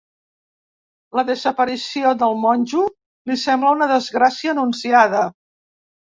La desaparició del monjo li sembla una desgràcia anunciada.